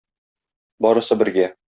Барысы бергә.